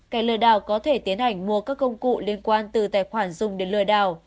kẻ lừa đảo có thể tiến hành mua các công cụ liên quan từ tài khoản dùng để lừa đảo